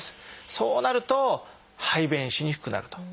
そうなると排便しにくくなると。